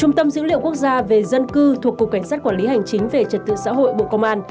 trung tâm dữ liệu quốc gia về dân cư thuộc cục cảnh sát quản lý hành chính về trật tự xã hội bộ công an